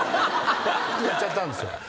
やっちゃったんですよ。